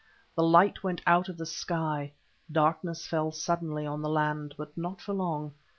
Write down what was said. The light went out of the sky, darkness fell suddenly on the land, but not for long.